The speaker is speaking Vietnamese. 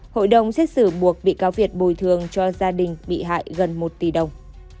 hội đồng xét xử buộc bị cáo việt bồi thường cho gia đình bị hại gần một tỷ đồng